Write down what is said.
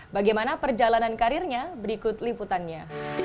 bagaimana perjalanan karirnya berikut liputannya